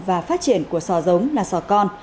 và phát triển của sò giống là sò con